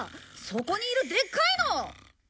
そこにいるでっかいの！